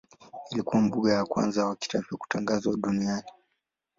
Ilikuwa mbuga ya kwanza wa kitaifa kutangazwa duniani.